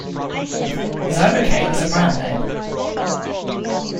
Xylocaine is a brandname.